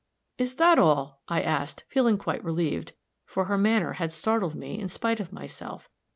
_" "Is that all?" I asked, feeling quite relieved, for her manner had startled me in spite of myself.